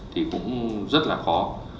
thì cũng rất là khó